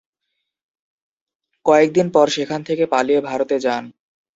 কয়েক দিন পর সেখান থেকে পালিয়ে ভারতে যান।